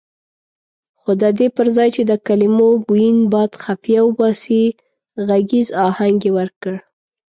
خو ددې پرځای چې د کلمو بوین باد خفیه وباسي غږیز اهنګ یې ورکړ.